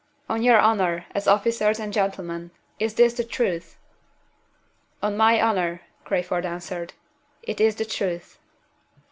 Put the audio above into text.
On your honor, as officers and gentlemen, is this the truth?" "On my honor," Crayford answered, "it is the truth."